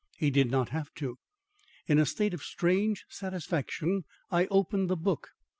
He did not have to. In a state of strange satisfaction I opened the book.